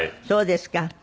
そうですね